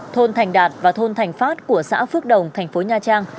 thôn thành đạt và thôn thành phát của xã phước đồng thành phố nha trang